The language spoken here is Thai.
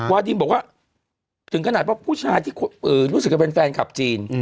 วาดินบอกว่าถึงขนาดว่าผู้ชายที่รู้สึกจะเป็นแฟนคลับจีน